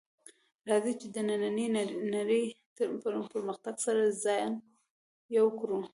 راځئ چې د نننۍ نړۍ د پرمختګ سره ځان یو کړو